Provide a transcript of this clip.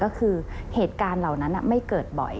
ก็คือเหตุการณ์เหล่านั้นไม่เกิดบ่อย